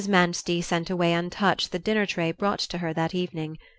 Manstey sent away untouched the dinner tray brought to her that evening.